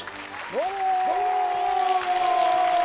どうも！